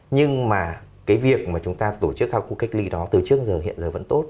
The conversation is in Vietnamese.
nhưng mà cái việc mà chúng ta tổ chức hai khu cách ly đó từ trước giờ hiện giờ vẫn tốt